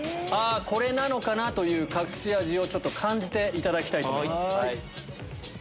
これなのかな？という隠し味を感じていただきたいと思います。